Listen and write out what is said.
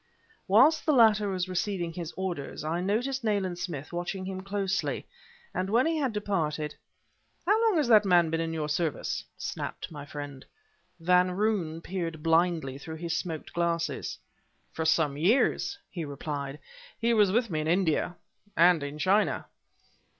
Whilst the latter was receiving his orders I noticed Nayland Smith watching him closely; and when he had departed: "How long has that man been in your service?" snapped my friend. Van Roon peered blindly through his smoked glasses. "For some years," he replied; "he was with me in India and in China."